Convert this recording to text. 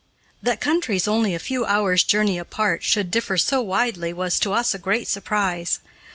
That countries only a few hours' journey apart should differ so widely was to us a great surprise.